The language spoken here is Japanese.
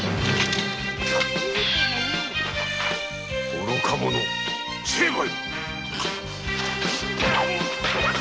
愚か者成敗！